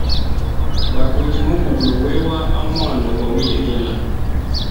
Bakwete mubugula wewa amwanda gwauyegela.